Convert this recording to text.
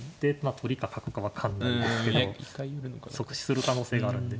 取りか角か分かんないですけど即死する可能性があるんで。